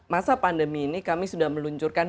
masa pandemi ini kami sudah meluncurkan